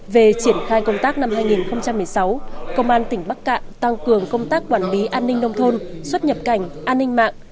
về triển khai công tác năm hai nghìn một mươi sáu công an tỉnh bắc cạn tăng cường công tác quản lý an ninh nông thôn xuất nhập cảnh an ninh mạng